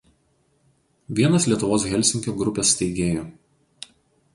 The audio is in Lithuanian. Vienas Lietuvos Helsinkio grupės steigėjų.